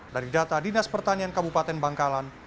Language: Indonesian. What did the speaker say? dari data dinas pertanian kabupaten bangkalan